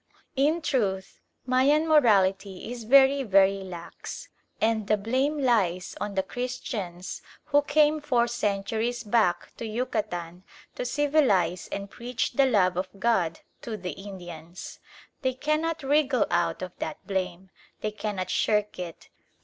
In truth, Mayan morality is very, very lax, and the blame lies on the "Christians" who came four centuries back to Yucatan to civilise and preach the love of God to the Indians. They cannot wriggle out of that blame: they cannot shirk it.